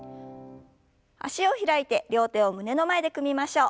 脚を開いて両手を胸の前で組みましょう。